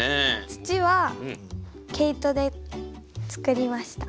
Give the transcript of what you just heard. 土は毛糸でつくりました。